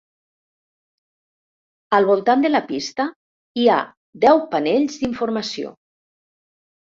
Al voltant de la pista hi ha deu panells d'informació.